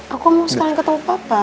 aku mau sekalian ketemu papa